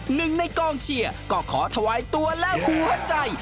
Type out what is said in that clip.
หนึ่งในกองเชียร์ก็ขอถวายตัวและหัวใจ